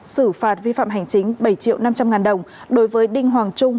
xử phạt vi phạm hành chính bảy triệu năm trăm linh ngàn đồng đối với đinh hoàng trung